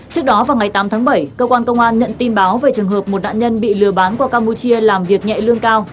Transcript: trước đó vào ngày tám tháng bảy cơ quan công an nhận tin báo về trường hợp một nạn nhân bị lừa bán qua campuchia làm việc nhẹ lương cao